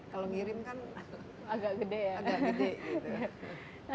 kalau ngirim kan agak gede ya